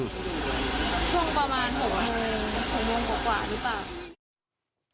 ช่วงประมาณ๖โมง๖โมงกว่านี่ป่ะ